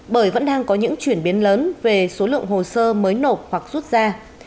bởi vẫn đang có những chuyển biến lớn về số lượng hồ sơ mới nộp hoặc rút ra